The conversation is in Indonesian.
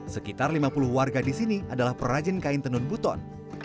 sekitar lima puluh warga di sini adalah perajin kain tenun buton